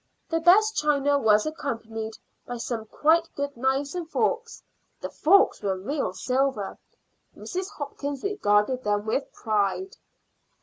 The best china was accompanied by some quite good knives and forks. The forks were real silver; Mrs. Hopkins regarded them with pride.